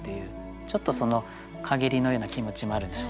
ちょっと陰りのような気持ちもあるんでしょうかね。